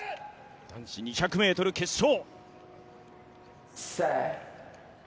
男子２００ｍ決勝。